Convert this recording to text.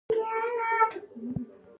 لعل د افغانانو ژوند اغېزمن کوي.